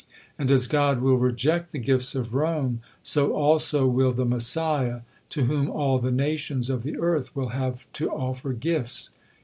And as God will reject the gifts of Rome, so also will the Messiah, to whom all the nations of the earth will have to offer gifts.